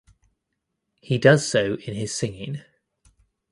He does so in his singing.